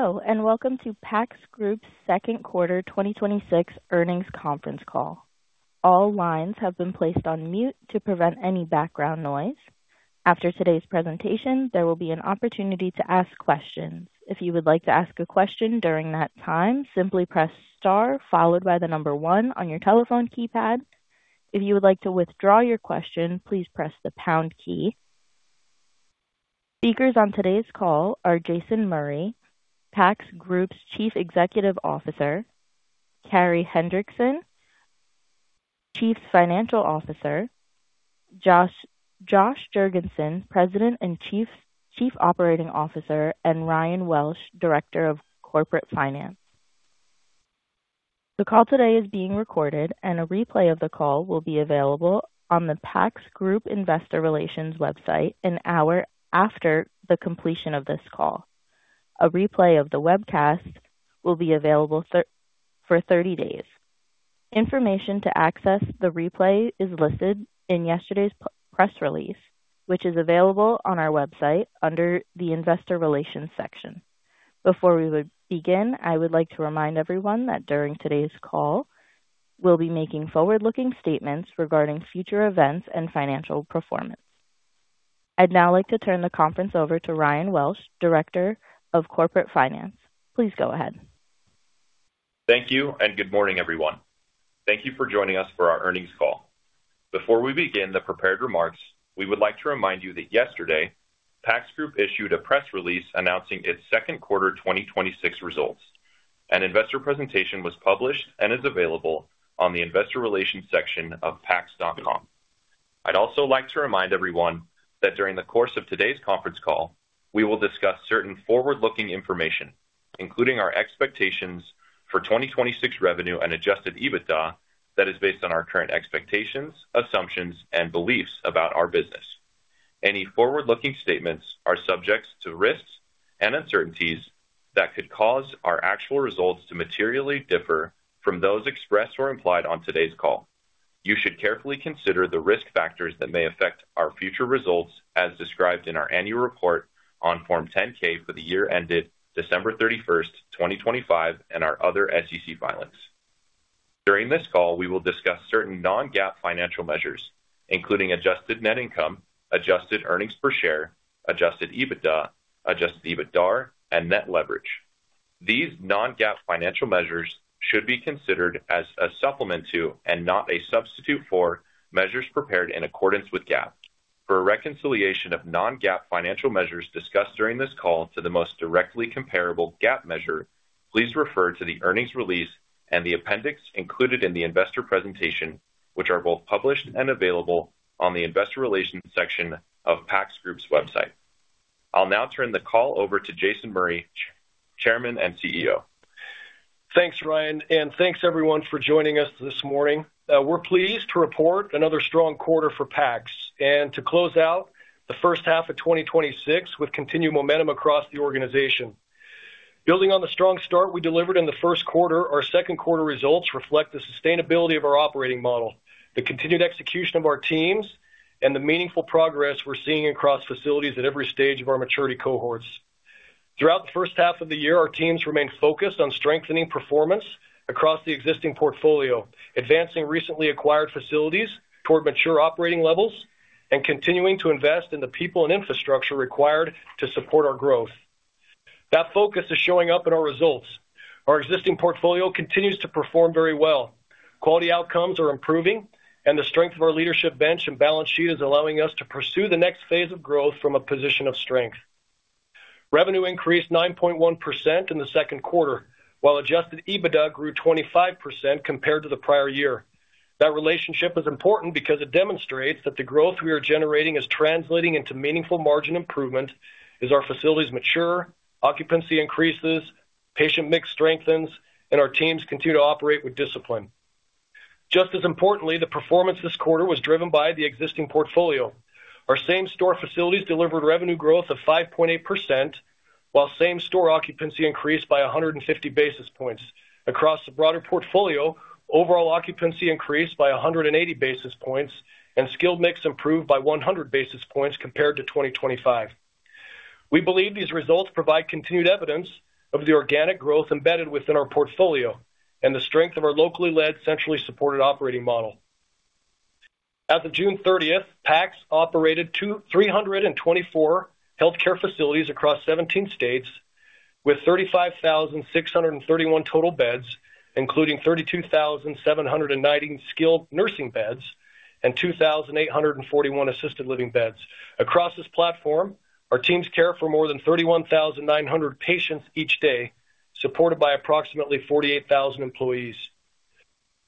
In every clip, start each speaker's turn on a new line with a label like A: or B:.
A: Hello, welcome to PACS Group's second quarter 2026 earnings conference call. All lines have been placed on mute to prevent any background noise. After today's presentation, there will be an opportunity to ask questions. If you would like to ask a question during that time, simply press star followed by the number one on your telephone keypad. If you would like to withdraw your question, please press the pound key. Speakers on today's call are Jason Murray, PACS Group's Chief Executive Officer, Carey Hendrickson, Chief Financial Officer, Josh Jergensen, President and Chief Operating Officer, and Ryan Welch, Director of Corporate Finance. The call today is being recorded, and a replay of the call will be available on the PACS Group Investor Relations website an hour after the completion of this call. A replay of the webcast will be available for 30 days. Information to access the replay is listed in yesterday's press release, which is available on our website under the investor relations section. Before we would begin, I would like to remind everyone that during today's call, we'll be making forward-looking statements regarding future events and financial performance. I'd now like to turn the conference over to Ryan Welch, Director of Corporate Finance. Please go ahead.
B: Thank you, good morning, everyone. Thank you for joining us for our earnings call. Before we begin the prepared remarks, we would like to remind you that yesterday, PACS Group issued a press release announcing its second quarter 2026 results. An investor presentation was published and is available on the investor relations section of pacs.com. I'd also like to remind everyone that during the course of today's conference call, we will discuss certain forward-looking information, including our expectations for 2026 revenue and adjusted EBITDA that is based on our current expectations, assumptions, and beliefs about our business. Any forward-looking statements are subjects to risks and uncertainties that could cause our actual results to materially differ from those expressed or implied on today's call. You should carefully consider the risk factors that may affect our future results as described in our annual report on Form 10-K for the year ended December 31st, 2025, and our other SEC filings. During this call, we will discuss certain non-GAAP financial measures, including adjusted net income, adjusted earnings per share, adjusted EBITDA, adjusted EBITDAR, and net leverage. These non-GAAP financial measures should be considered as a supplement to, and not a substitute for, measures prepared in accordance with GAAP. For a reconciliation of non-GAAP financial measures discussed during this call to the most directly comparable GAAP measure, please refer to the earnings release and the appendix included in the investor presentation, which are both published and available on the investor relations section of PACS Group's website. I'll now turn the call over to Jason Murray, Chairman and CEO.
C: Thanks, Ryan, and thanks everyone for joining us this morning. We're pleased to report another strong quarter for PACS and to close out the first half of 2026 with continued momentum across the organization. Building on the strong start we delivered in the first quarter, our second quarter results reflect the sustainability of our operating model, the continued execution of our teams, and the meaningful progress we're seeing across facilities at every stage of our maturity cohorts. Throughout the first half of the year, our teams remained focused on strengthening performance across the existing portfolio, advancing recently acquired facilities toward mature operating levels, and continuing to invest in the people and infrastructure required to support our growth. That focus is showing up in our results. Our existing portfolio continues to perform very well. Quality outcomes are improving. The strength of our leadership bench and balance sheet is allowing us to pursue the next phase of growth from a position of strength. Revenue increased 9.1% in the second quarter, while adjusted EBITDA grew 25% compared to the prior year. That relationship is important because it demonstrates that the growth we are generating is translating into meaningful margin improvement as our facilities mature, occupancy increases, patient mix strengthens, and our teams continue to operate with discipline. Just as importantly, the performance this quarter was driven by the existing portfolio. Our same-store facilities delivered revenue growth of 5.8%, while same-store occupancy increased by 150 basis points. Across the broader portfolio, overall occupancy increased by 180 basis points and skilled mix improved by 100 basis points compared to 2025. We believe these results provide continued evidence of the organic growth embedded within our portfolio and the strength of our locally led, centrally supported operating model. As of June 30th, PACS operated 324 healthcare facilities across 17 states with 35,631 total beds, including 32,790 skilled nursing beds and 2,841 assisted living beds. Across this platform, our teams care for more than 31,900 patients each day, supported by approximately 48,000 employees.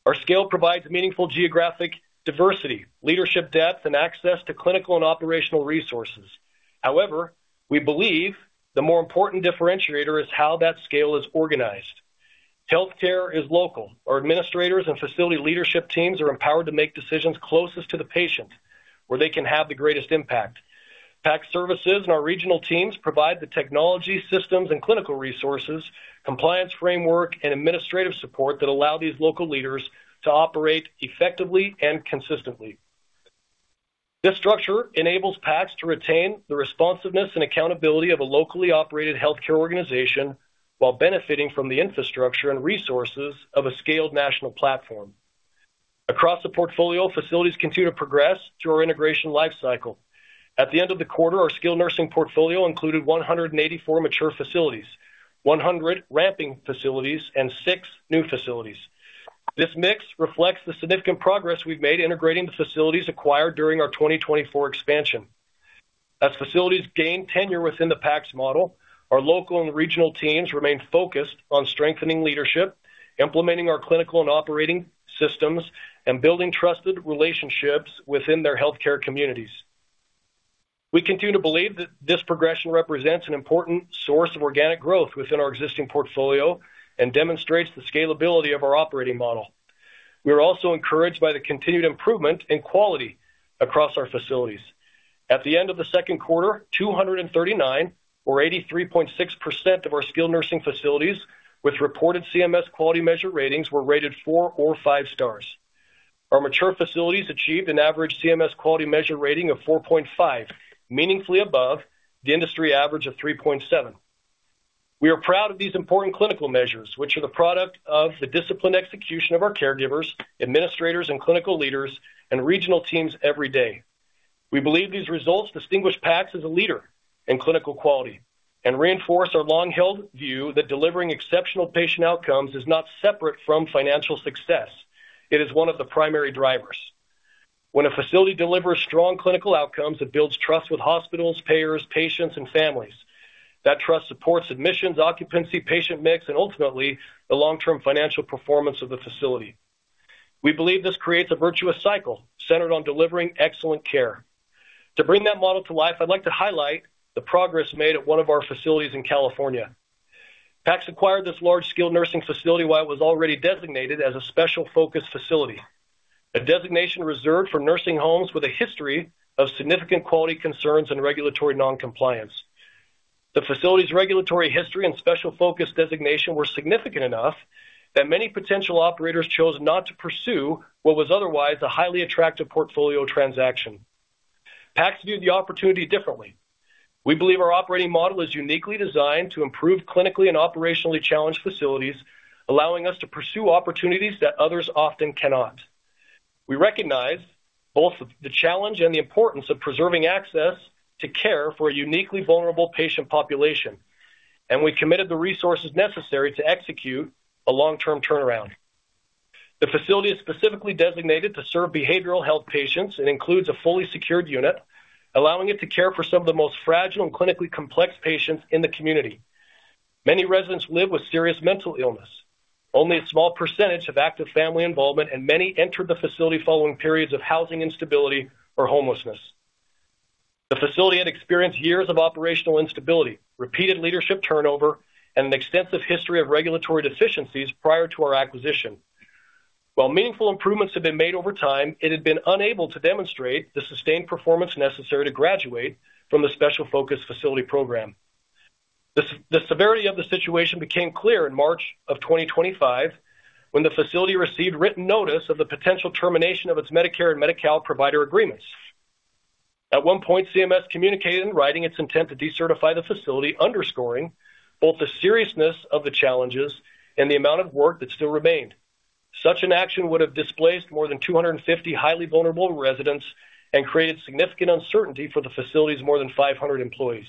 C: Our scale provides meaningful geographic diversity, leadership depth, and access to clinical and operational resources. However, we believe the more important differentiator is how that scale is organized. Healthcare is local. Our administrators and facility leadership teams are empowered to make decisions closest to the patient, where they can have the greatest impact. PACS Services and our regional teams provide the technology systems and clinical resources, compliance framework, and administrative support that allow these local leaders to operate effectively and consistently. This structure enables PACS to retain the responsiveness and accountability of a locally-operated healthcare organization while benefiting from the infrastructure and resources of a scaled national platform. Across the portfolio, facilities continue to progress through our integration lifecycle. At the end of the quarter, our skilled nursing portfolio included 184 mature facilities, 100 ramping facilities, and six new facilities. This mix reflects the significant progress we've made integrating the facilities acquired during our 2024 expansion. As facilities gain tenure within the PACS model, our local and regional teams remain focused on strengthening leadership, implementing our clinical and operating systems, and building trusted relationships within their healthcare communities. We continue to believe that this progression represents an important source of organic growth within our existing portfolio and demonstrates the scalability of our operating model. We are also encouraged by the continued improvement in quality across our facilities. At the end of the second quarter, 239 or 83.6% of our skilled nursing facilities with reported CMS Quality Measure ratings were rated four or five stars. Our mature facilities achieved an average CMS Quality Measure rating of 4.5, meaningfully above the industry average of 3.7. We are proud of these important clinical measures, which are the product of the disciplined execution of our caregivers, administrators, and clinical leaders, and regional teams every day. We believe these results distinguish PACS as a leader in clinical quality and reinforce our long-held view that delivering exceptional patient outcomes is not separate from financial success. It is one of the primary drivers. When a facility delivers strong clinical outcomes, it builds trust with hospitals, payers, patients, and families. That trust supports admissions, occupancy, patient mix, and ultimately, the long-term financial performance of the facility. We believe this creates a virtuous cycle centered on delivering excellent care. To bring that model to life, I'd like to highlight the progress made at one of our facilities in California. PACS acquired this large-scale nursing facility while it was already designated as a Special Focus Facility, a designation reserved for nursing homes with a history of significant quality concerns and regulatory non-compliance. The facility's regulatory history and Special Focus designation were significant enough that many potential operators chose not to pursue what was otherwise a highly attractive portfolio transaction. PACS viewed the opportunity differently. We believe our operating model is uniquely designed to improve clinically and operationally-challenged facilities, allowing us to pursue opportunities that others often cannot. We recognize both the challenge and the importance of preserving access to care for a uniquely vulnerable patient population. We committed the resources necessary to execute a long-term turnaround. The facility is specifically designated to serve behavioral health patients and includes a fully secured unit, allowing it to care for some of the most fragile and clinically-complex patients in the community. Many residents live with serious mental illness, only a small percentage have active family involvement. Many entered the facility following periods of housing instability or homelessness. The facility had experienced years of operational instability, repeated leadership turnover, and an extensive history of regulatory deficiencies prior to our acquisition. While meaningful improvements have been made over time, it had been unable to demonstrate the sustained performance necessary to graduate from the Special Focus Facility program. The severity of the situation became clear in March of 2025 when the facility received written notice of the potential termination of its Medicare and Medi-Cal provider agreements. At one point, CMS communicated in writing its intent to decertify the facility, underscoring both the seriousness of the challenges and the amount of work that still remained. Such an action would have displaced more than 250 highly vulnerable residents and created significant uncertainty for the facility's more than 500 employees.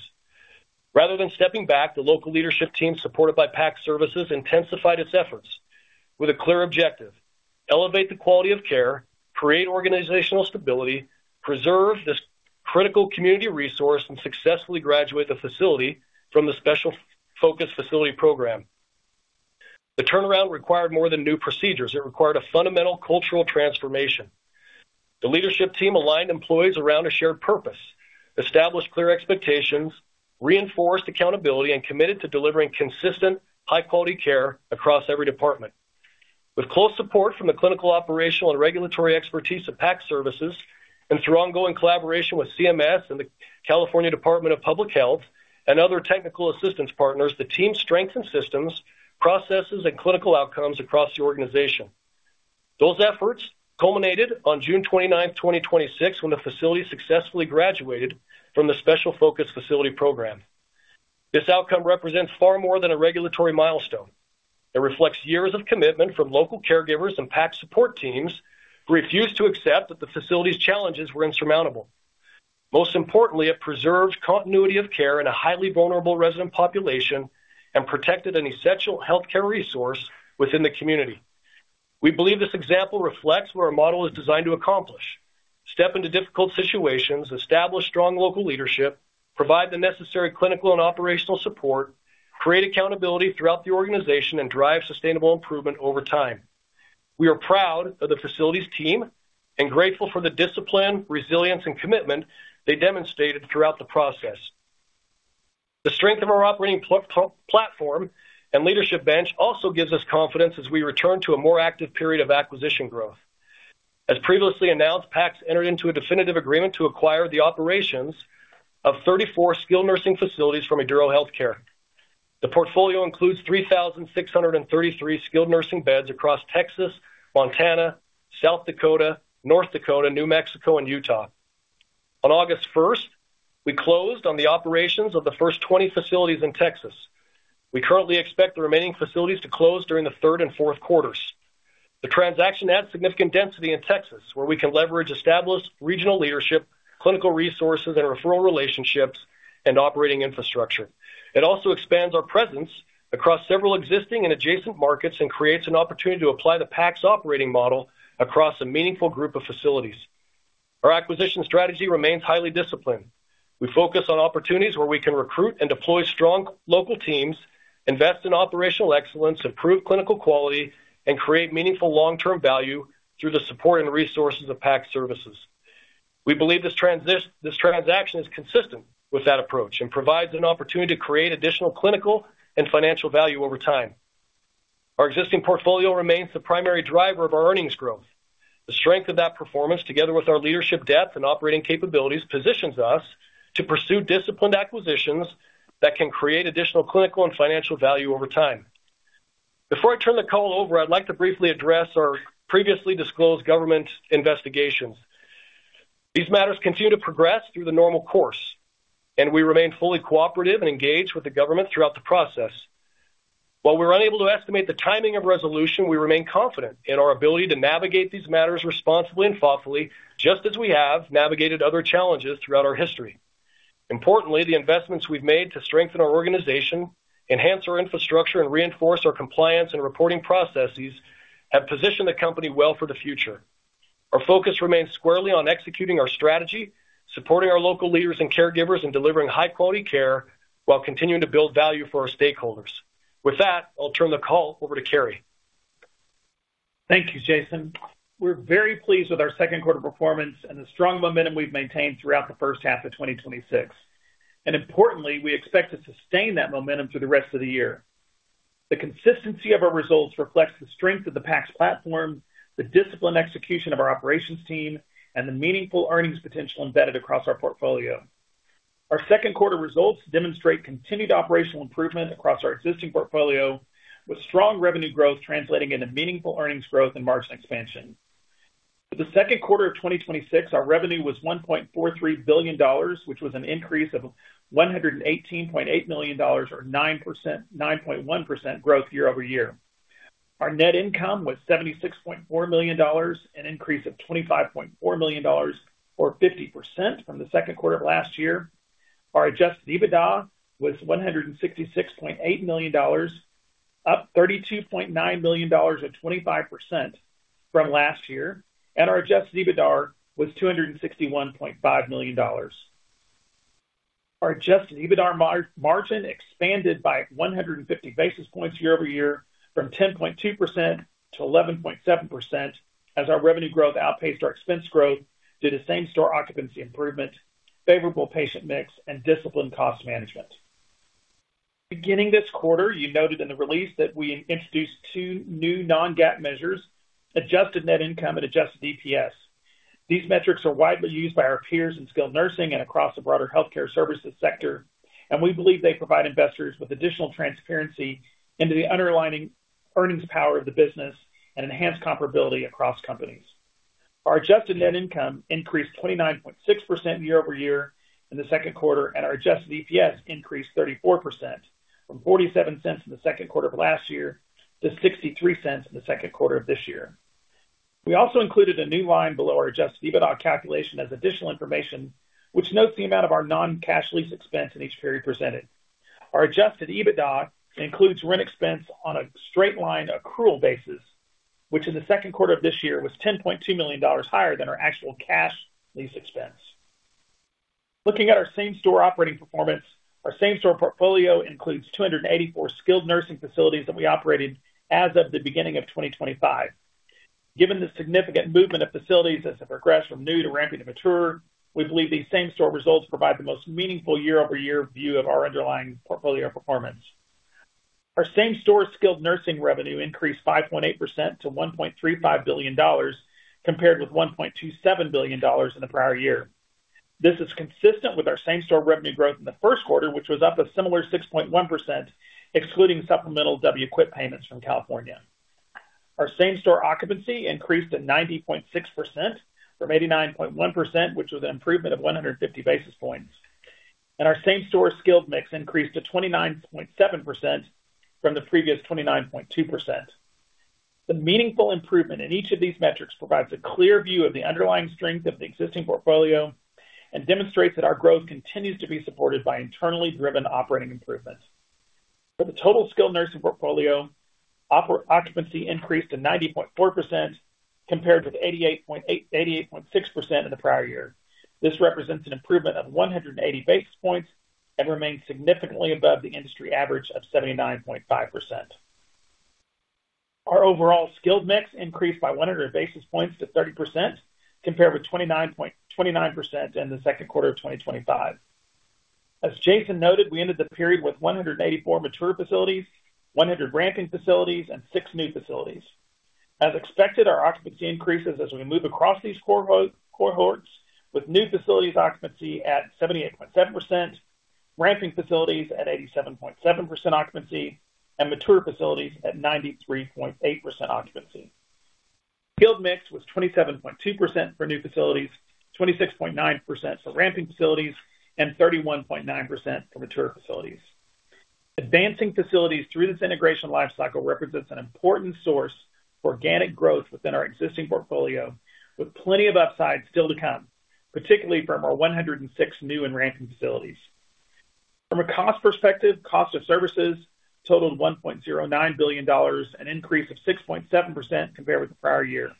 C: Rather than stepping back, the local leadership team, supported by PACS Services, intensified its efforts with a clear objective: elevate the quality of care, create organizational stability, preserve this critical community resource, and successfully graduate the facility from the Special Focus Facility program. The turnaround required more than new procedures. It required a fundamental cultural transformation. The leadership team aligned employees around a shared purpose, established clear expectations, reinforced accountability, and committed to delivering consistent, high-quality care across every department. With close support from the clinical, operational, and regulatory expertise of PACS Services, and through ongoing collaboration with CMS and the California Department of Public Health and other technical assistance partners, the team strengthened systems, processes, and clinical outcomes across the organization. Those efforts culminated on June 29th, 2026, when the facility successfully graduated from the Special Focus Facility program. This outcome represents far more than a regulatory milestone. It reflects years of commitment from local caregivers and PACS support teams who refused to accept that the facility's challenges were insurmountable. Most importantly, it preserved continuity of care in a highly vulnerable resident population and protected an essential healthcare resource within the community. We believe this example reflects what our model is designed to accomplish. Step into difficult situations, establish strong local leadership, provide the necessary clinical and operational support, create accountability throughout the organization, and drive sustainable improvement over time. We are proud of the facility's team and grateful for the discipline, resilience, and commitment they demonstrated throughout the process. The strength of our operating platform and leadership bench also gives us confidence as we return to a more active period of acquisition growth. As previously announced, PACS entered into a definitive agreement to acquire the operations of 34 skilled nursing facilities from Eduro Healthcare. The portfolio includes 3,633 skilled nursing beds across Texas, Montana, South Dakota, North Dakota, New Mexico, and Utah. On August 1st, we closed on the operations of the first 20 facilities in Texas. We currently expect the remaining facilities to close during the third and fourth quarters. The transaction adds significant density in Texas, where we can leverage established regional leadership, clinical resources, and referral relationships and operating infrastructure. It also expands our presence across several existing and adjacent markets and creates an opportunity to apply the PACS operating model across a meaningful group of facilities. Our acquisition strategy remains highly disciplined. We focus on opportunities where we can recruit and deploy strong local teams, invest in operational excellence, improve clinical quality, and create meaningful long-term value through the support and resources of PACS Services. We believe this transaction is consistent with that approach and provides an opportunity to create additional clinical and financial value over time. Our existing portfolio remains the primary driver of our earnings growth. The strength of that performance, together with our leadership depth and operating capabilities, positions us to pursue disciplined acquisitions that can create additional clinical and financial value over time. Before I turn the call over, I'd like to briefly address our previously disclosed government investigations. These matters continue to progress through the normal course. We remain fully cooperative and engaged with the government throughout the process. While we're unable to estimate the timing of resolution, we remain confident in our ability to navigate these matters responsibly and thoughtfully, just as we have navigated other challenges throughout our history. Importantly, the investments we've made to strengthen our organization, enhance our infrastructure, and reinforce our compliance and reporting processes have positioned the company well for the future. Our focus remains squarely on executing our strategy, supporting our local leaders and caregivers, and delivering high-quality care while continuing to build value for our stakeholders. With that, I'll turn the call over to Carey.
D: Thank you, Jason. We're very pleased with our second quarter performance and the strong momentum we've maintained throughout the first half of 2026. Importantly, we expect to sustain that momentum through the rest of the year. The consistency of our results reflects the strength of the PACS platform, the disciplined execution of our operations team, and the meaningful earnings potential embedded across our portfolio. Our second quarter results demonstrate continued operational improvement across our existing portfolio, with strong revenue growth translating into meaningful earnings growth and margin expansion. For the second quarter of 2026, our revenue was $1.43 billion, which was an increase of $118.8 million, or 9.1% growth year-over-year. Our net income was $76.4 million, an increase of $25.4 million, or 50% from the second quarter of last year. Our adjusted EBITDA was $166.8 million, up $32.9 million and 25% from last year, and our adjusted EBITDAR was $261.5 million. Our adjusted EBITDAR margin expanded by 150 basis points year-over-year from 10.2% to 11.7% as our revenue growth outpaced our expense growth due to same-store occupancy improvement, favorable patient mix, and disciplined cost management. Beginning this quarter, you noted in the release that we introduced two new non-GAAP measures, adjusted net income and adjusted EPS. These metrics are widely used by our peers in skilled nursing and across the broader healthcare services sector, and we believe they provide investors with additional transparency into the underlying earnings power of the business and enhance comparability across companies. Our adjusted net income increased 29.6% year-over-year in the second quarter, and our adjusted EPS increased 34%, from $0.47 in the second quarter of last year to $0.63 in the second quarter of this year. We also included a new line below our adjusted EBITDA calculation as additional information, which notes the amount of our non-cash lease expense in each period presented. Our adjusted EBITDA includes rent expense on a straight line accrual basis, which in the second quarter of this year was $10.2 million higher than our actual cash lease expense. Looking at our same-store operating performance, our same-store portfolio includes 284 skilled nursing facilities that we operated as of the beginning of 2025. Given the significant movement of facilities as they progress from new to ramping to mature, we believe these same-store results provide the most meaningful year-over-year view of our underlying portfolio performance. Our same-store skilled nursing revenue increased 5.8% to $1.35 billion, compared with $1.27 billion in the prior year. This is consistent with our same-store revenue growth in the first quarter, which was up a similar 6.1%, excluding supplemental WQIP payments from California. Our same-store occupancy increased to 90.6%, from 89.1%, which was an improvement of 150 basis points. Our same-store skilled mix increased to 29.7% from the previous 29.2%. The meaningful improvement in each of these metrics provides a clear view of the underlying strength of the existing portfolio and demonstrates that our growth continues to be supported by internally-driven operating improvements. For the total skilled nursing portfolio, occupancy increased to 90.4%, compared with 88.6% in the prior year. This represents an improvement of 180 basis points and remains significantly above the industry average of 79.5%. Our overall skilled mix increased by 100 basis points to 30%, compared with 29% in the second quarter of 2025. As Jason noted, we ended the period with 184 mature facilities, 100 ramping facilities, and six new facilities. As expected, our occupancy increases as we move across these cohorts, with new facilities occupancy at 78.7%, ramping facilities at 87.7% occupancy, and mature facilities at 93.8% occupancy. Skilled mix was 27.2% for new facilities, 26.9% for ramping facilities, and 31.9% for mature facilities. Advancing facilities through this integration life cycle represents an important source for organic growth within our existing portfolio, with plenty of upside still to come, particularly from our 106 new and ramping facilities. From a cost perspective, cost of services totaled $1.09 billion, an increase of 6.7% compared with the prior year.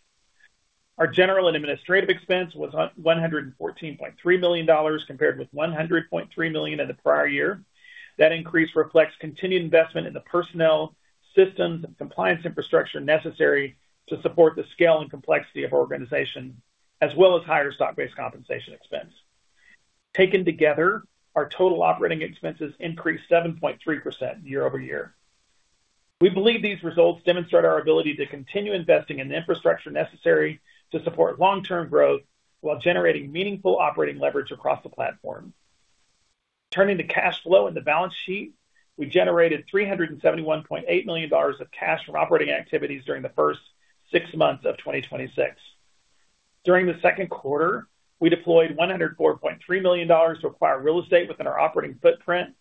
D: Our general and administrative expense was $114.3 million, compared with $100.3 million in the prior year. That increase reflects continued investment in the personnel, systems, and compliance infrastructure necessary to support the scale and complexity of our organization, as well as higher stock-based compensation expense. Taken together, our total operating expenses increased 7.3% year-over-year. We believe these results demonstrate our ability to continue investing in the infrastructure necessary to support long-term growth while generating meaningful operating leverage across the platform. Turning to cash flow and the balance sheet, we generated $371.8 million of cash from operating activities during the first six months of 2026. During the second quarter, we deployed $104.3 million to acquire real estate within our operating footprint,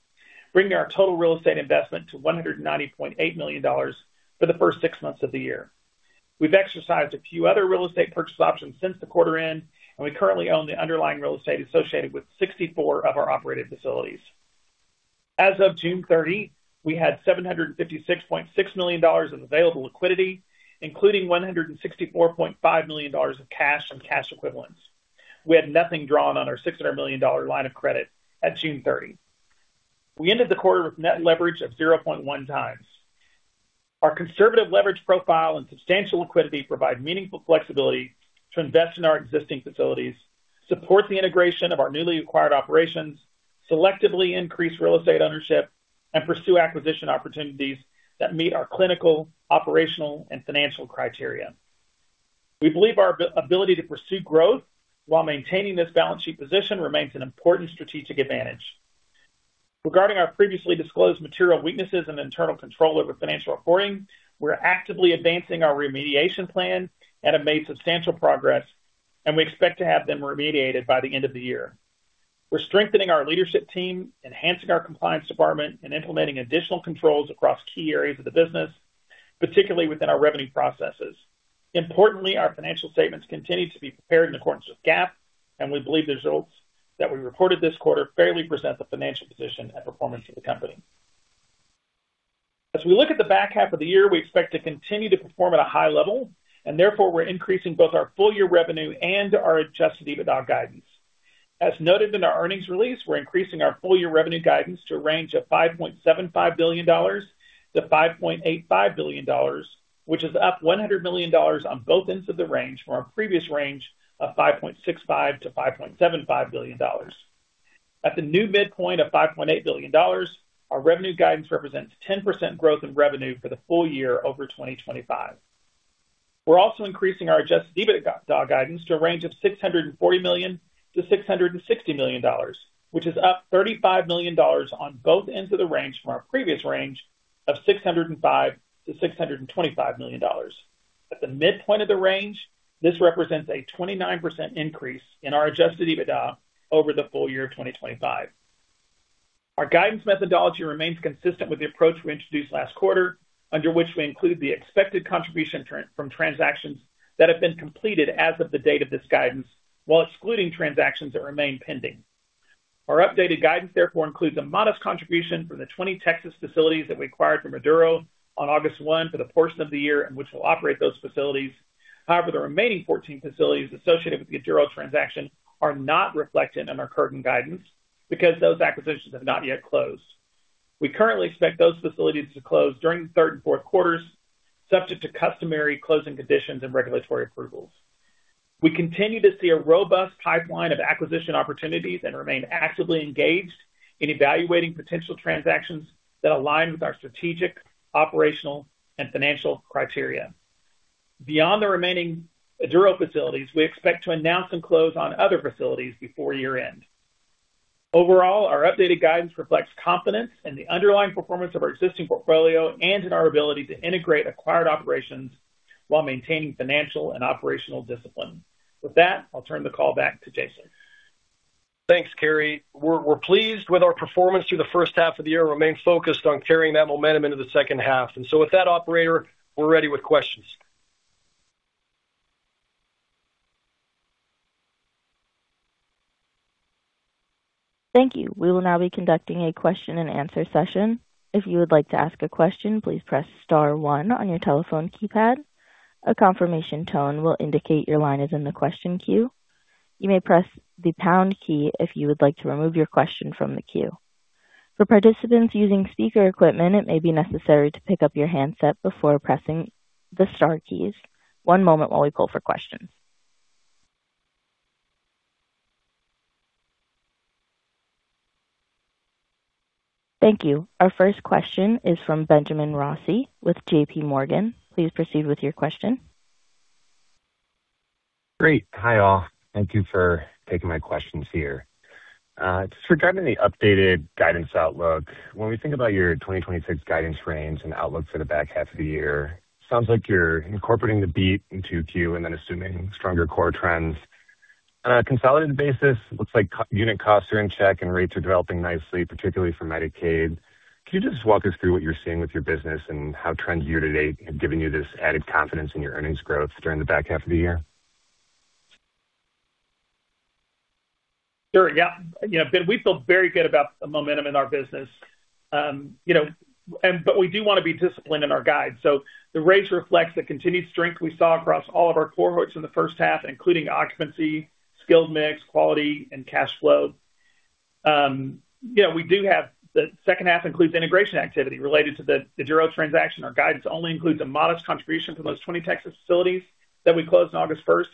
D: bringing our total real estate investment to $190.8 million for the first six months of the year. We've exercised a few other real estate purchase options since the quarter end, and we currently own the underlying real estate associated with 64 of our operated facilities. As of June 30, we had $756.6 million in available liquidity, including $164.5 million of cash and cash equivalents. We had nothing drawn on our $600 million line of credit at June 30. We ended the quarter with net leverage of 0.1x. Our conservative leverage profile and substantial liquidity provide meaningful flexibility to invest in our existing facilities, support the integration of our newly acquired operations, selectively increase real estate ownership, and pursue acquisition opportunities that meet our clinical, operational, and financial criteria. We believe our ability to pursue growth while maintaining this balance sheet position remains an important strategic advantage. Regarding our previously disclosed material weaknesses in internal control over financial reporting, we're actively advancing our remediation plan and have made substantial progress, and we expect to have them remediated by the end of the year. We're strengthening our leadership team, enhancing our compliance department, and implementing additional controls across key areas of the business, particularly within our revenue processes. Importantly, our financial statements continue to be prepared in accordance with GAAP, and we believe the results that we reported this quarter fairly present the financial position and performance of the company. As we look at the back half of the year, we expect to continue to perform at a high level, and therefore, we're increasing both our full-year revenue and our adjusted EBITDA guidance. As noted in our earnings release, we're increasing our full-year revenue guidance to a range of $5.75 billion-$5.85 billion, which is up $100 million on both ends of the range from our previous range of $5.65 billion-$5.75 billion. At the new midpoint of $5.8 billion, our revenue guidance represents 10% growth in revenue for the full year over 2025. We're also increasing our adjusted EBITDA guidance to a range of $640 million-$660 million, which is up $35 million on both ends of the range from our previous range of $605 million-$625 million. At the midpoint of the range, this represents a 29% increase in our adjusted EBITDA over the full year of 2025. Our guidance methodology remains consistent with the approach we introduced last quarter, under which we include the expected contribution from transactions that have been completed as of the date of this guidance, while excluding transactions that remain pending. Our updated guidance, therefore, includes a modest contribution from the 20 Texas facilities that we acquired from Eduro on August 1 for the portion of the year in which we'll operate those facilities. However, the remaining 14 facilities associated with the Eduro transaction are not reflected in our current guidance because those acquisitions have not yet closed. We currently expect those facilities to close during the third and fourth quarters, subject to customary closing conditions and regulatory approvals. We continue to see a robust pipeline of acquisition opportunities and remain actively engaged in evaluating potential transactions that align with our strategic, operational, and financial criteria. Beyond the remaining Eduro facilities, we expect to announce and close on other facilities before year-end. Overall, our updated guidance reflects confidence in the underlying performance of our existing portfolio and in our ability to integrate acquired operations while maintaining financial and operational discipline. With that, I'll turn the call back to Jason.
C: Thanks, Carey. We're pleased with our performance through the first half of the year and remain focused on carrying that momentum into the second half. With that, Operator, we're ready with questions.
A: Thank you. We will now be conducting a question-and-answer session. If you would like to ask a question, please press star one on your telephone keypad. A confirmation tone will indicate your line is in the question queue. You may press the pound key if you would like to remove your question from the queue. For participants using speaker equipment, it may be necessary to pick up your handset before pressing the star keys. One moment while we pull for questions. Thank you. Our first question is from Benjamin Rossi with JPMorgan. Please proceed with your question.
E: Great. Hi, all. Thank you for taking my questions here. Just regarding the updated guidance outlook, when we think about your 2026 guidance range and outlook for the back half of the year, it sounds like you're incorporating in 2Q, then assuming stronger core trends. On a consolidated basis, looks like unit costs are in check and rates are developing nicely, particularly for Medicaid. Could you just walk us through what you're seeing with your business and how trends year-to-date have given you this added confidence in your earnings growth during the back half of the year?
C: Sure, yeah. Ben, we feel very good about the momentum in our business. We do want to be disciplined in our guide. The range reflects the continued strength we saw across all of our cohorts in the first half, including occupancy, skilled mix, quality, and cash flow. The second half includes integration activity related to the Eduro transaction. Our guidance only includes a modest contribution from those 20 Texas facilities that we closed on August 1st.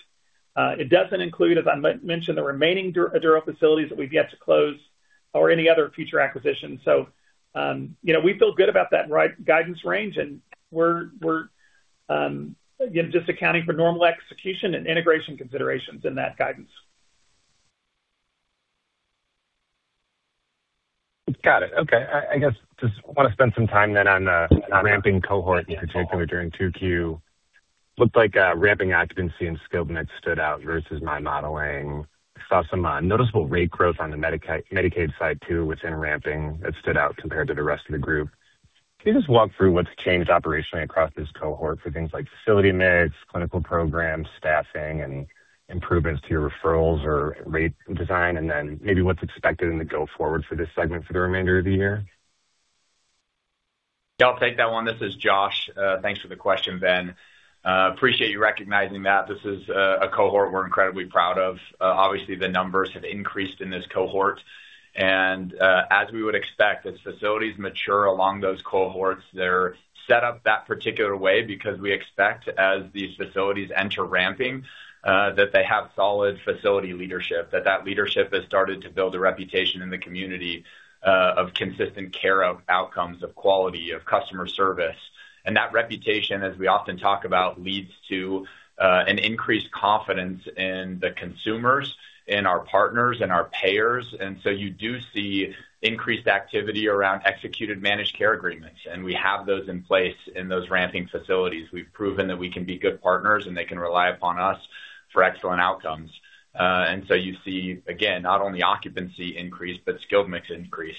C: It doesn't include, as I mentioned, the remaining Eduro facilities that we've yet to close or any other future acquisitions. We feel good about that guidance range, and we're just accounting for normal execution and integration considerations in that guidance.
E: Got it. Okay. I guess, just want to spend some time on the ramping cohort, in particular during 2Q. Looked like ramping occupancy and skill mix stood out versus my modeling. I saw some noticeable rate growth on the Medicaid side, too, within ramping that stood out compared to the rest of the group. Can you just walk through what's changed operationally across this cohort for things like facility mix, clinical programs, staffing, and improvements to your referrals or rate design? Then maybe what's expected in the go forward for this segment for the remainder of the year?
F: Yeah, I'll take that one. This is Josh. Thanks for the question, Ben. Appreciate you recognizing that. This is a cohort we're incredibly proud of. Obviously, the numbers have increased in this cohort. As we would expect, as facilities mature along those cohorts, they're set up that particular way because we expect, as these facilities enter ramping, that they have solid facility leadership, that that leadership has started to build a reputation in the community of consistent care, of outcomes, of quality, of customer service. That reputation, as we often talk about, leads to an increased confidence in the consumers, in our partners, in our payers. You do see increased activity around executed managed care agreements, and we have those in place in those ramping facilities. We've proven that we can be good partners, and they can rely upon us for excellent outcomes. You see, again, not only occupancy increase, but skill mix increase.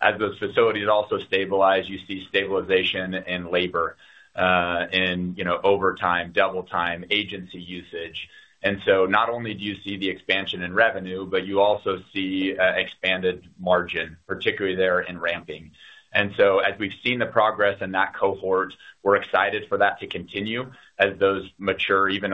F: As those facilities also stabilize, you see stabilization in labor, in overtime, double time, agency usage. Not only do you see the expansion in revenue, but you also see expanded margin, particularly there in ramping. As we've seen the progress in that cohort, we're excited for that to continue as those mature even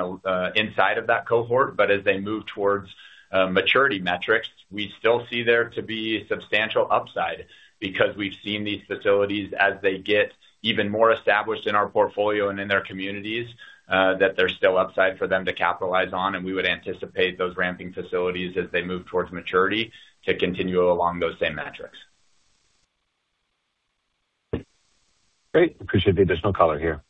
F: inside of that cohort. As they move towards maturity metrics, we still see there to be substantial upside because we've seen these facilities as they get even more established in our portfolio and in their communities, that there's still upside for them to capitalize on, and we would anticipate those ramping facilities as they move towards maturity to continue along those same metrics.
E: Great. Appreciate the additional color here.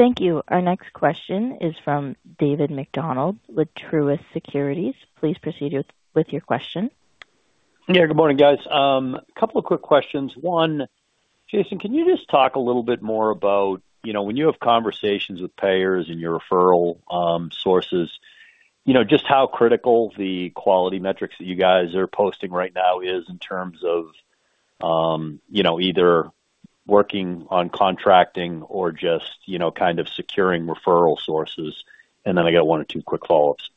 A: Thank you. Our next question is from David MacDonald with Truist Securities. Please proceed with your question.
G: Yeah, good morning, guys. Couple of quick questions. One, Jason, can you just talk a little bit more about when you have conversations with payers and your referral sources, just how critical the quality metrics that you guys are posting right now is in terms of either working on contracting or just kind of securing referral sources? I got one or two quick follow-ups.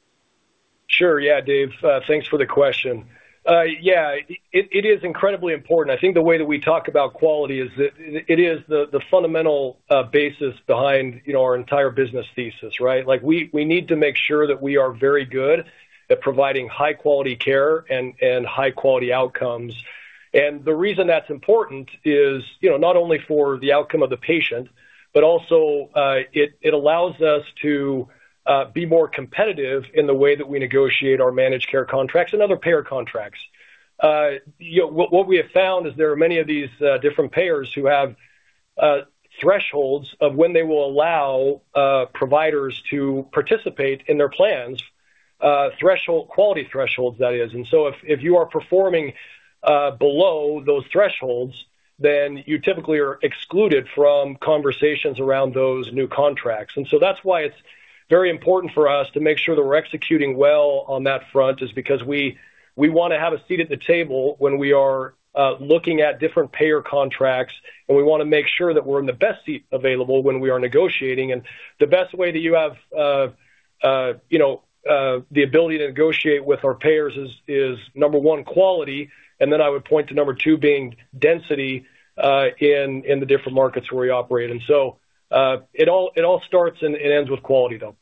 C: Sure. Yeah, Dave. Thanks for the question. It is incredibly important. I think the way that we talk about quality is that it is the fundamental basis behind our entire business thesis, right? We need to make sure that we are very good at providing high quality care and high quality outcomes. The reason that's important is not only for the outcome of the patient, but also, it allows us to be more competitive in the way that we negotiate our managed care contracts and other payer contracts. What we have found is there are many of these different payers who have thresholds of when they will allow providers to participate in their plans, quality thresholds, that is. If you are performing below those thresholds, then you typically are excluded from conversations around those new contracts. That's why it's very important for us to make sure that we're executing well on that front, is because we want to have a seat at the table when we are looking at different payer contracts, we want to make sure that we're in the best seat available when we are negotiating. The best way that you have the ability to negotiate with our payers is, number one, quality, then I would point to number two being density, in the different markets where we operate. It all starts and ends with quality, though.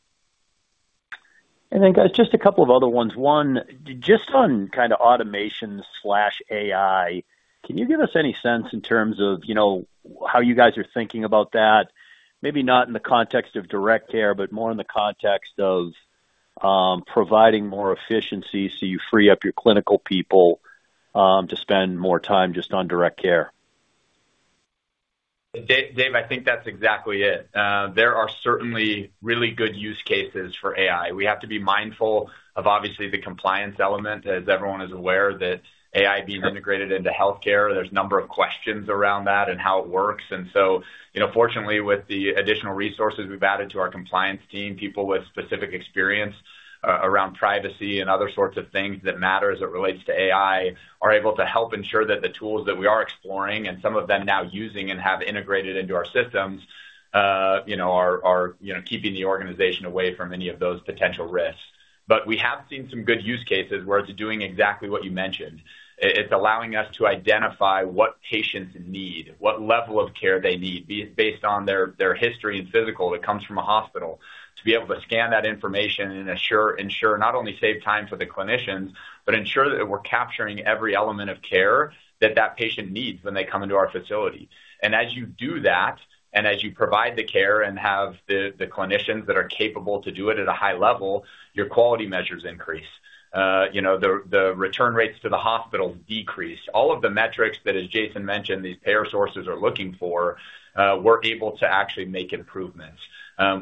G: Guys, just a couple of other ones. One, just on automation/AI, can you give us any sense in terms of how you guys are thinking about that? Maybe not in the context of direct care, but more in the context of providing more efficiency so you free up your clinical people to spend more time just on direct care.
F: Dave, I think that's exactly it. There are certainly really good use cases for AI. We have to be mindful of obviously the compliance element, as everyone is aware, that AI being integrated into healthcare, there's a number of questions around that and how it works. Fortunately, with the additional resources we've added to our compliance team, people with specific experience around privacy and other sorts of things that matter as it relates to AI, are able to help ensure that the tools that we are exploring, and some of them now using and have integrated into our systems, are keeping the organization away from any of those potential risks. We have seen some good use cases where it's doing exactly what you mentioned. It's allowing us to identify what patients need, what level of care they need, based on their history and physical that comes from a hospital. To be able to scan that information and ensure not only save time for the clinicians, but ensure that we're capturing every element of care that that patient needs when they come into our facility. As you do that, as you provide the care and have the clinicians that are capable to do it at a high level, your quality measures increase. The return rates to the hospital decrease. All of the metrics that, as Jason mentioned, these payer sources are looking for, we're able to actually make improvements.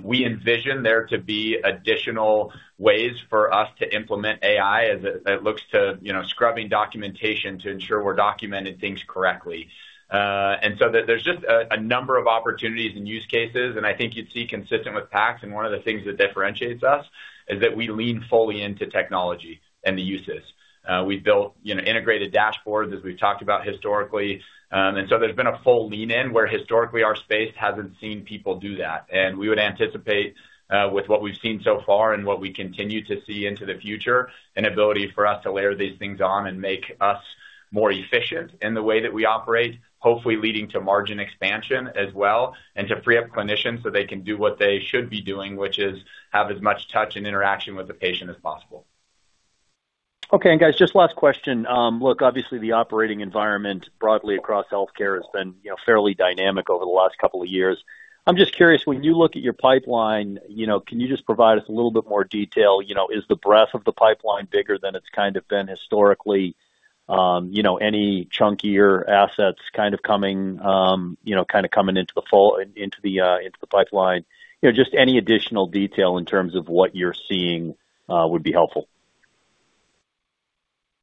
F: We envision there to be additional ways for us to implement AI as it looks to scrubbing documentation to ensure we're documenting things correctly. There's just a number of opportunities and use cases, and I think you'd see consistent with PACS and one of the things that differentiates us, is that we lean fully into technology and the uses. We've built integrated dashboards, as we've talked about historically. There's been a full lean in where historically our space hasn't seen people do that. We would anticipate, with what we've seen so far and what we continue to see into the future, an ability for us to layer these things on and make us more efficient in the way that we operate, hopefully leading to margin expansion as well, and to free up clinicians so they can do what they should be doing, which is have as much touch and interaction with the patient as possible.
G: Okay. Guys, just last question. Obviously the operating environment broadly across healthcare has been fairly dynamic over the last couple of years. I'm just curious, when you look at your pipeline, can you just provide us a little bit more detail? Is the breadth of the pipeline bigger than it's been historically? Any chunkier assets coming into the pipeline? Just any additional detail in terms of what you're seeing would be helpful.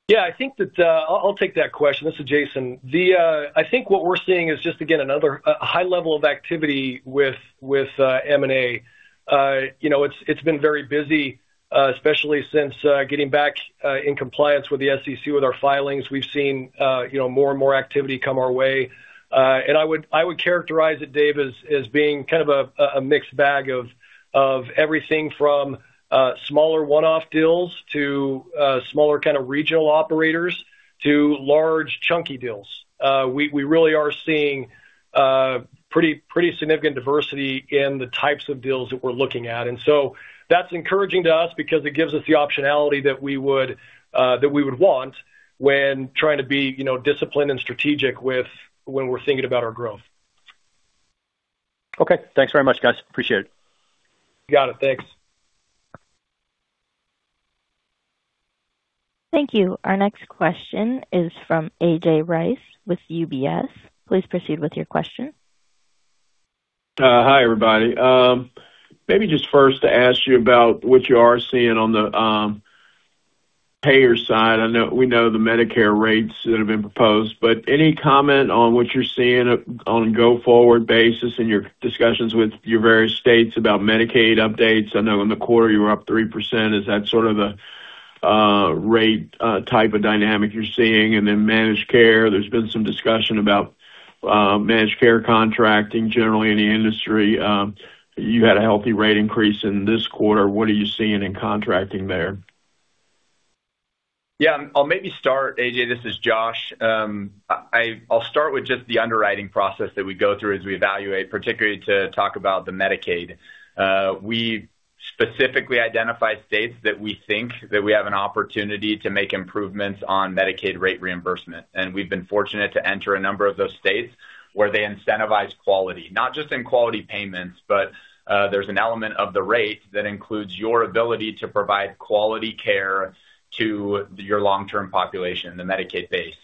C: Yeah. I'll take that question. This is Jason. I think what we're seeing is just, again, another high level of activity with M&A. It's been very busy, especially since getting back in compliance with the SEC, with our filings. We've seen more and more activity come our way. I would characterize it, Dave, as being a mixed bag of everything from smaller one-off deals to smaller regional operators to large chunky deals. We really are seeing pretty significant diversity in the types of deals that we're looking at. That's encouraging to us because it gives us the optionality that we would want when trying to be disciplined and strategic when we're thinking about our growth.
G: Okay. Thanks very much, guys. Appreciate it.
C: You got it. Thanks.
A: Thank you. Our next question is from A.J. Rice with UBS. Please proceed with your question.
H: Hi, everybody. Maybe just first to ask you about what you are seeing on the payer side. We know the Medicare rates that have been proposed, but any comment on what you're seeing on a go-forward basis in your discussions with your various states about Medicaid updates? I know in the quarter you were up 3%. Is that sort of the rate type of dynamic you're seeing? Managed care, there's been some discussion about managed care contracting generally in the industry. You had a healthy rate increase in this quarter. What are you seeing in contracting there?
F: Yeah. I'll maybe start, A.J. This is Josh. I'll start with just the underwriting process that we go through as we evaluate, particularly to talk about the Medicaid. We specifically identify states that we think that we have an opportunity to make improvements on Medicaid rate reimbursement. We've been fortunate to enter a number of those states where they incentivize quality, not just in quality payments, but there's an element of the rate that includes your ability to provide quality care to your long-term population, the Medicaid base.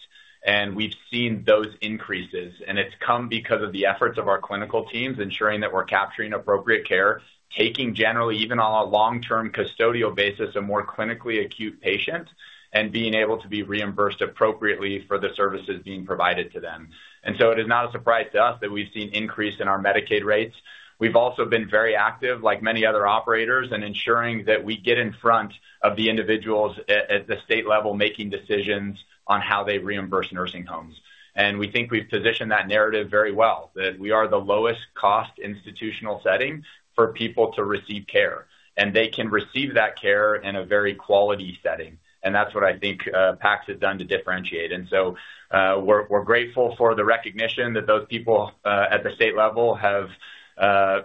F: We've seen those increases, and it's come because of the efforts of our clinical teams, ensuring that we're capturing appropriate care, taking generally even on a long-term custodial basis, a more clinically acute patient, and being able to be reimbursed appropriately for the services being provided to them. It is not a surprise to us that we've seen increase in our Medicaid rates. We've also been very active, like many other operators, in ensuring that we get in front of the individuals at the state level, making decisions on how they reimburse nursing homes. We think we've positioned that narrative very well, that we are the lowest cost institutional setting for people to receive care, and they can receive that care in a very quality setting. That's what I think PACS has done to differentiate. We're grateful for the recognition that those people at the state level have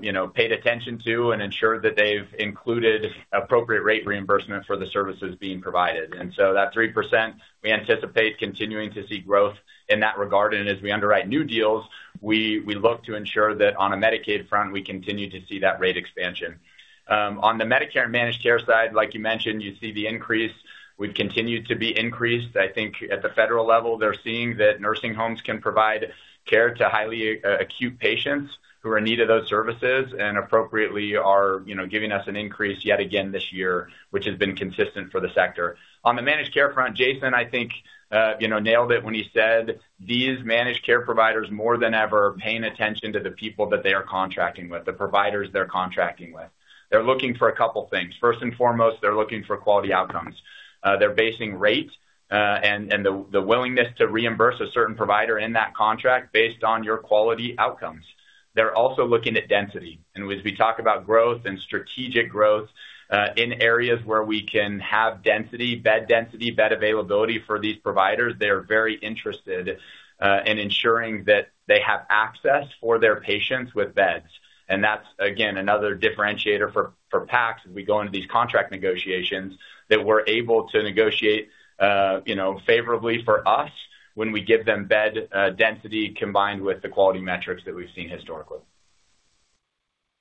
F: paid attention to and ensured that they've included appropriate rate reimbursement for the services being provided. That 3%, we anticipate continuing to see growth in that regard. As we underwrite new deals, we look to ensure that on a Medicaid front, we continue to see that rate expansion. On the Medicare managed care side, like you mentioned, you see the increase. We've continued to be increased. I think at the federal level, they're seeing that nursing homes can provide care to highly acute patients who are in need of those services and appropriately are giving us an increase yet again this year, which has been consistent for the sector. On the managed care front, Jason, I think, nailed it when he said these managed care providers, more than ever, are paying attention to the people that they are contracting with, the providers they're contracting with. They're looking for a couple things. First and foremost, they're looking for quality outcomes. They're basing rate, the willingness to reimburse a certain provider in that contract based on your quality outcomes. They're also looking at density. As we talk about growth and strategic growth, in areas where we can have density, bed density, bed availability for these providers, they are very interested in ensuring that they have access for their patients with beds. That's, again, another differentiator for PACS as we go into these contract negotiations that we're able to negotiate favorably for us when we give them bed density combined with the quality metrics that we've seen historically.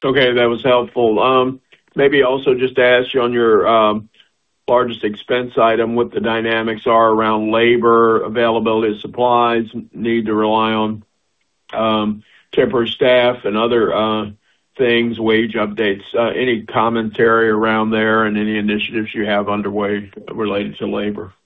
H: Okay, that was helpful. Maybe also just to ask you on your largest expense item, what the dynamics are around labor availability, supplies, need to rely on temporary staff and other things, wage updates. Any commentary around there and any initiatives you have underway relating to labor?
F: Yeah,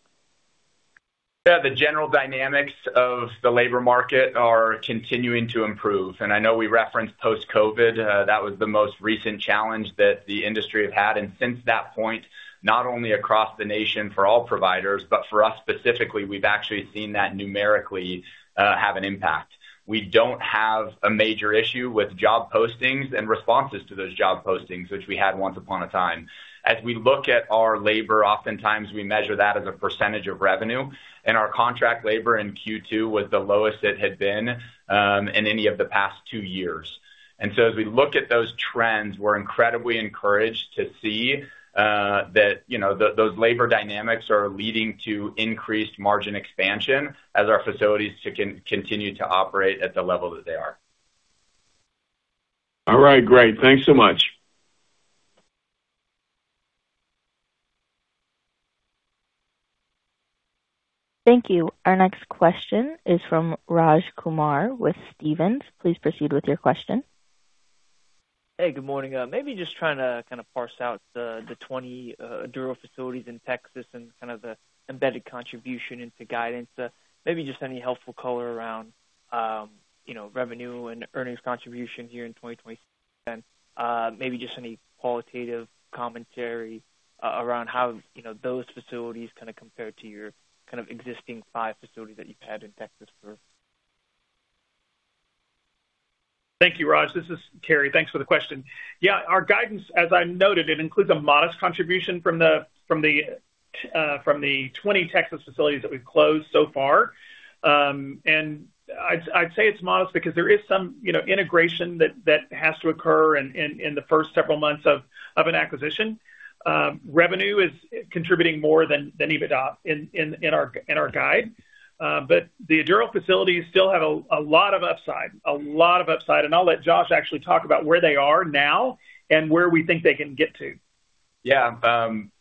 F: the general dynamics of the labor market are continuing to improve. I know we referenced post-COVID, that was the most recent challenge that the industry have had. Since that point, not only across the nation for all providers, but for us specifically, we've actually seen that numerically have an impact. We don't have a major issue with job postings and responses to those job postings, which we had once upon a time. As we look at our labor, oftentimes we measure that as a percentage of revenue, and our contract labor in Q2 was the lowest it had been in any of the past two years. As we look at those trends, we're incredibly encouraged to see that those labor dynamics are leading to increased margin expansion as our facilities continue to operate at the level that they are.
H: All right, great. Thanks so much.
A: Thank you. Our next question is from Raj Kumar with Stephens. Please proceed with your question.
I: Hey, good morning. Maybe just trying to kind of parse out the 20 Eduro facilities in Texas and kind of the embedded contribution into guidance. Maybe just any helpful color around revenue and earnings contribution here in 2026. Maybe just any qualitative commentary around how those facilities kind of compare to your kind of existing five facilities that you've had in Texas for.
D: Thank you, Raj. This is Carey. Thanks for the question. Yeah, our guidance, as I noted, it includes a modest contribution from the 20 Texas facilities that we've closed so far. I'd say it's modest because there is some integration that has to occur in the first several months of an acquisition. Revenue is contributing more than EBITDA in our guide. The Eduro facilities still have a lot of upside, a lot of upside, and I'll let Josh actually talk about where they are now and where we think they can get to.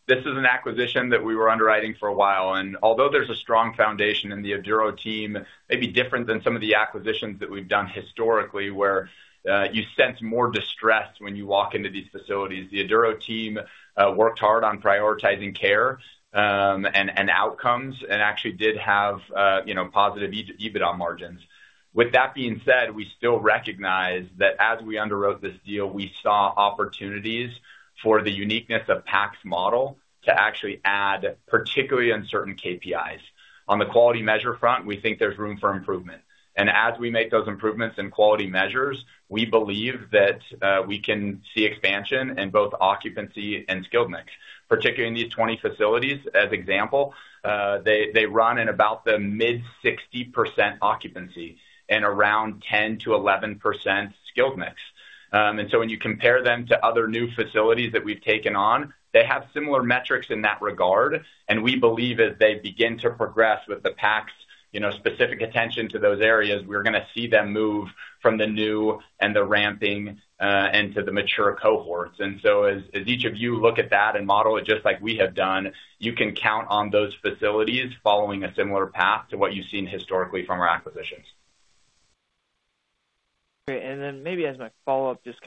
F: This is an acquisition that we were underwriting for a while, although there's a strong foundation in the Eduro team, maybe different than some of the acquisitions that we've done historically, where you sense more distress when you walk into these facilities. The Eduro team worked hard on prioritizing care, and outcomes, and actually did have positive EBITDA margins. With that being said, we still recognize that as we underwrote this deal, we saw opportunities for the uniqueness of PACS model to actually add, particularly on certain KPIs. On the Quality Measure front, we think there's room for improvement. As we make those improvements in quality measures, we believe that we can see expansion in both occupancy and skilled mix. Particularly in these 20 facilities, as example, they run in about the mid 60% occupancy and around 10%-11% skilled mix. When you compare them to other new facilities that we've taken on, they have similar metrics in that regard. We believe as they begin to progress with the PACS specific attention to those areas, we're going to see them move from the new and the ramping, and to the mature cohorts. As each of you look at that and model it just like we have done, you can count on those facilities following a similar path to what you've seen historically from our acquisitions.
I: Great. Maybe as my follow-up, just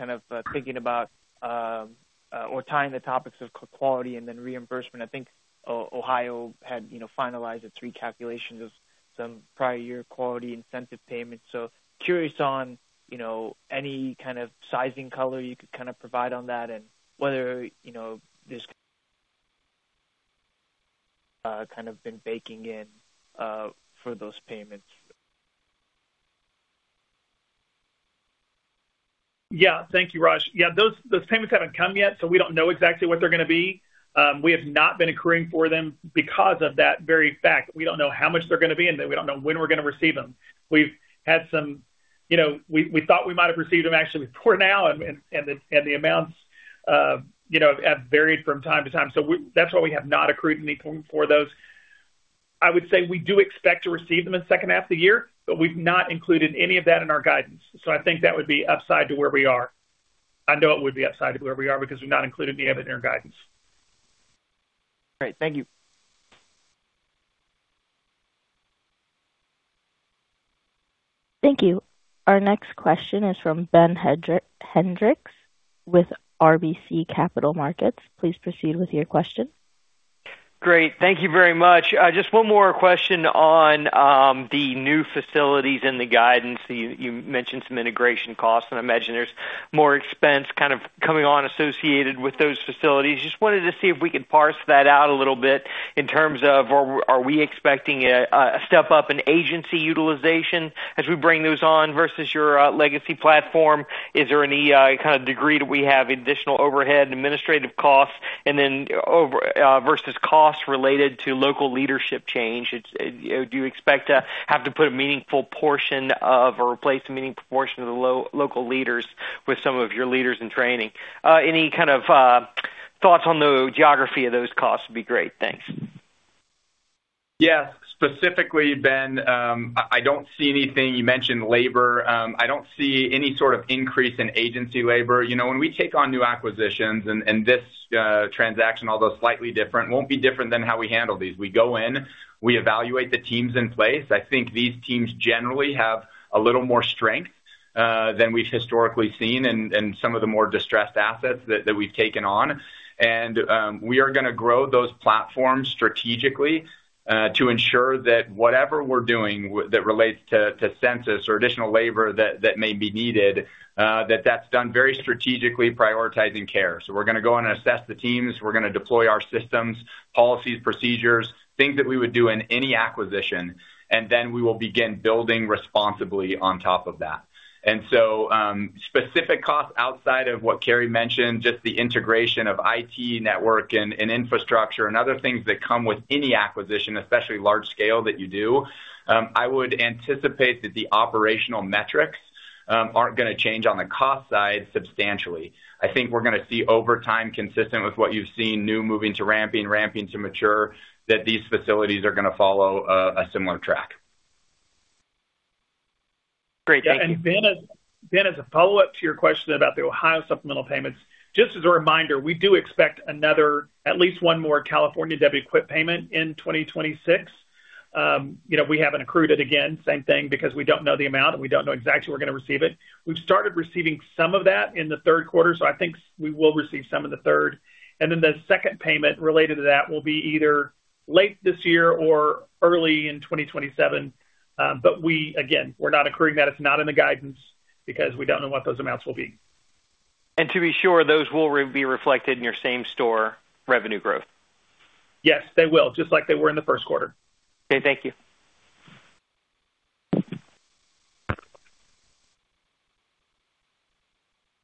I: thinking about or tying the topics of quality and then reimbursement. I think Ohio had finalized the three calculations of some prior year quality incentive payments. Curious on any kind of sizing color you could provide on that and whether this kind of been baking in for those payments.
D: Thank you, Raj. Those payments haven't come yet, we don't know exactly what they're going to be. We have not been accruing for them because of that very fact. We don't know how much they're going to be, and we don't know when we're going to receive them. We thought we might have received them actually before now, the amounts have varied from time to time. That's why we have not accrued anything for those. I would say we do expect to receive them in the second half of the year, but we've not included any of that in our guidance. I think that would be upside to where we are. I know it would be upside to where we are because we've not included any of it in our guidance.
I: Great. Thank you.
A: Thank you. Our next question is from Ben Hendrix with RBC Capital Markets. Please proceed with your question.
J: Great. Thank you very much. Just one more question on the new facilities and the guidance. You mentioned some integration costs, I imagine there's more expense kind of coming on associated with those facilities. Just wanted to see if we could parse that out a little bit in terms of are we expecting a step up in agency utilization as we bring those on versus your legacy platform. Is there any kind of degree that we have additional overhead and administrative costs? Then versus costs related to local leadership change, do you expect to have to put a meaningful portion of, or replace a meaningful proportion of the local leaders with some of your leaders in training? Any kind of thoughts on the geography of those costs would be great. Thanks.
F: Yeah. Specifically, Ben, I don't see anything. You mentioned labor. I don't see any sort of increase in agency labor. When we take on new acquisitions, this transaction, although slightly different, won't be different than how we handle these. We go in, we evaluate the teams in place. I think these teams generally have a little more strength than we've historically seen in some of the more distressed assets that we've taken on. We are going to grow those platforms strategically, to ensure that whatever we're doing that relates to census or additional labor that may be needed, that that's done very strategically prioritizing care. We're going to go in and assess the teams. We're going to deploy our systems, policies, procedures, things that we would do in any acquisition, then we will begin building responsibly on top of that. Specific costs outside of what Carey mentioned, just the integration of IT network and infrastructure and other things that come with any acquisition, especially large scale, that you do. I would anticipate that the operational metrics aren't going to change on the cost side substantially. I think we're going to see over time, consistent with what you've seen, new moving to ramping to mature, that these facilities are going to follow a similar track.
J: Great. Thank you.
D: Ben, as a follow-up to your question about the Ohio supplemental payments, just as a reminder, we do expect another, at least one more California WQIP payment in 2026. We haven't accrued it, again, same thing, because we don't know the amount and we don't know exactly when we're going to receive it. We've started receiving some of that in the third quarter, so I think we will receive some in the third. The second payment related to that will be either late this year or early in 2027. We, again, we're not accruing that. It's not in the guidance because we don't know what those amounts will be.
J: To be sure, those will be reflected in your same-store revenue growth?
D: Yes, they will. Just like they were in the first quarter.
J: Okay. Thank you.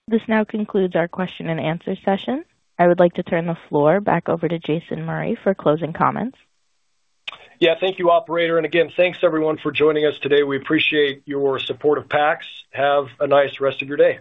A: This now concludes our question-and-answer session. I would like to turn the floor back over to Jason Murray for closing comments.
C: Yeah. Thank you, operator. Again, thanks everyone for joining us today. We appreciate your support of PACS. Have a nice rest of your day.